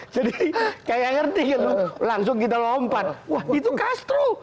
jadi kayak gak ngerti gitu langsung kita lompat wah itu castro